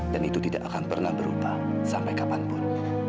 dan itu tidak akan pernah berubah sampai kapanpun